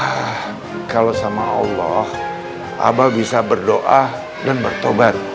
ah kalau sama allah aba bisa berdoa dan bertobat